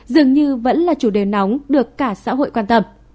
dường như vẫn là chủ đề nóng được cả xã hội quan tâm